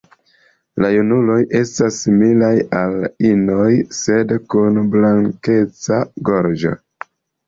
La junuloj estas similaj al inoj, sed kun blankeca gorĝo.